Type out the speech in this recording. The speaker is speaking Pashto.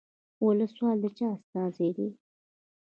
ولسوال د چا استازی دی؟